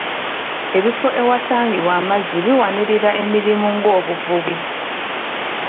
Ebifo ewasangibwa amazzi biwanirira emirimu ng'obuvubi.